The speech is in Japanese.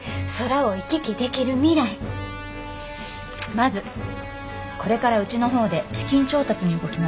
まずこれからうちの方で資金調達に動きます。